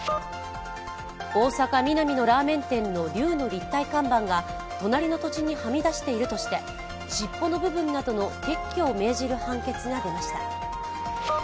大阪・ミナミのラーメン店の龍の立体看板が隣の土地にはみ出しているとして尻尾の部分などの撤去を命じる判決が出ました。